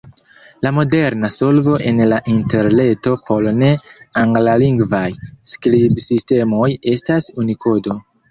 La moderna solvo en la Interreto por ne-anglalingvaj skribsistemoj estas Unikodo.